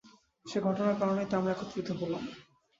সে ঘটনার কারণেই তো আমরা একত্রিত হলাম!